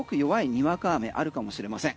にわか雨あるかもしれません。